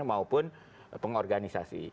yang harus diturunkan pengorganisasi